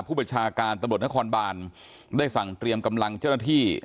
ผู้บัญชาการตำรวจนครบานได้สั่งเตรียมกำลังเจ้าหน้าที่